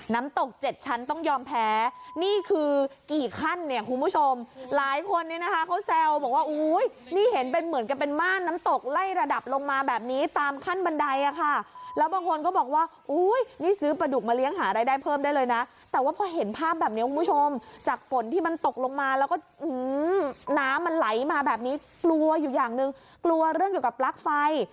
น้ำตกเจ็ดชั้นต้องยอมแพ้นี่คือกี่ขั้นเนี่ยคุณผู้ชมหลายคนเนี่ยนะคะเขาแซวบอกว่าอุ้ยนี่เห็นเป็นเหมือนกับเป็นม่านน้ำตกไล่ระดับลงมาแบบนี้ตามขั้นบันไดอ่ะค่ะแล้วบางคนก็บอกว่าอุ้ยนี่ซื้อปลาดุกมาเลี้ยงหารายได้เพิ่มได้เลยนะแต่ว่าพอเห็นภาพแบบนี้คุณผู้ชมจากฝนที่มันตกลงมาแล้วก็น้ำมันไหลมาแบบนี้กลัวอยู่อย่างหนึ่งกลัวเรื่องเกี่ยวกับปลั๊กไฟ